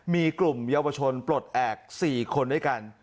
มีกลุ่มเยาวชนปลดแอบ๔คนด้วยกัน